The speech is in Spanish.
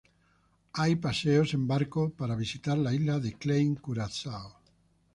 Hay paseos en barco para visitar la isla de Klein Curazao.